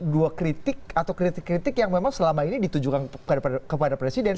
dua kritik atau kritik kritik yang memang selama ini ditujukan kepada presiden